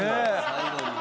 最後にね。